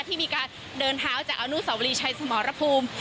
ที่มีการเดินเท้าจากอนุสาวรีชัยสมรภูมิ